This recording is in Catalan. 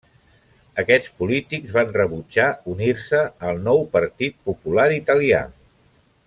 Aquests polítics van rebutjar unir-se al nou Partit Popular Italià.